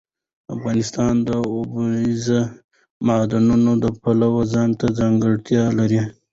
افغانستان د اوبزین معدنونه د پلوه ځانته ځانګړتیا لري.